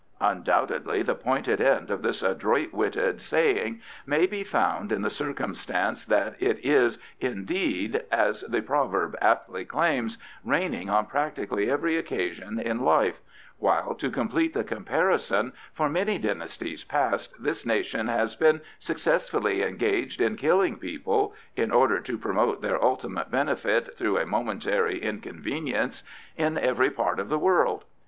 Undoubtedly the pointed end of this adroit witted saying may be found in the circumstance that it is, indeed, as the proverb aptly claims, raining on practically every occasion in life; while, to complete the comparison, for many dynasties past this nation has been successfully engaged in killing people (in order to promote their ultimate benefit through a momentary inconvenience,) in every part of the world.